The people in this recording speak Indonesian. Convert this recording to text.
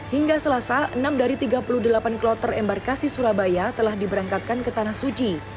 hingga selasa enam dari tiga puluh delapan kloter embarkasi surabaya telah diberangkatkan ke tanah suci